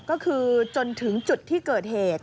ก็คือจนถึงจุดที่เกิดเหตุ